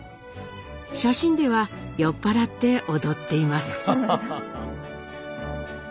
写真では酔っ払って踊っています。